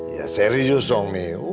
ya serius dong mi